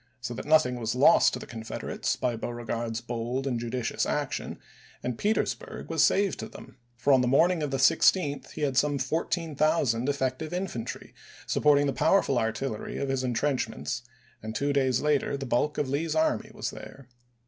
So that nothing was lost to the Confederates by Beaure gard's bold and judicious action, and Petersburg was saved to them ; for on the morning of the 16th he had some fourteen thousand effective infantry supporting the powerful artillery of his intrench ments, and two days later the bulk of Lee's army was there.